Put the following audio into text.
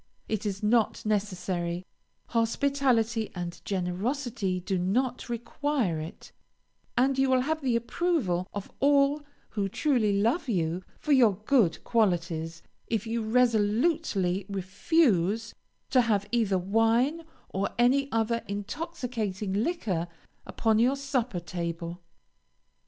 It is not necessary; hospitality and generosity do not require it, and you will have the approval of all who truly love you for your good qualities, if you resolutely refuse to have either wine or any other intoxicating liquor upon your supper table.